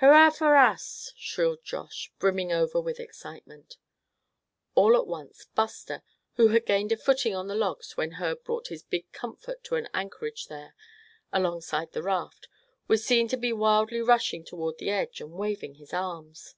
"Hurrah for us!" shrilled Josh, brimming over with excitement. All at once Buster, who had gained a footing on the logs when Herb brought his big Comfort to an anchorage there, alongside the raft, was seen to be wildly rushing toward the edge, and waving his arms.